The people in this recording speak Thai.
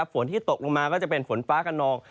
ฝนที่ตกลงมาก็จะเป็นฝนฟ้ากระนอง